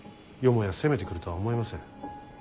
よもや攻めてくるとは思えません。